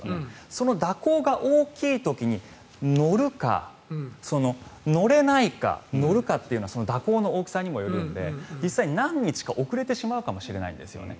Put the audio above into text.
その蛇行が大きい時に乗るか、乗れないかは蛇行の大きさにもよるので何日か遅れてしまうかもしれないんですよね。